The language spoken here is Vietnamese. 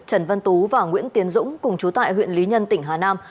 trần văn tú và nguyễn tiến dũng cùng chú tại huyện lý nhân tỉnh hà nam